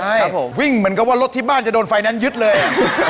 ใช่ครับผมวิ่งเหมือนกับว่ารถที่บ้านจะโดนไฟแนนซ์ยึดเลย